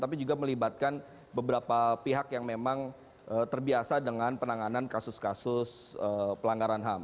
tapi juga melibatkan beberapa pihak yang memang terbiasa dengan penanganan kasus kasus pelanggaran ham